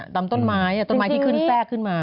ตามต้นไม้ต้นไม้ที่ขึ้นแทรกขึ้นมา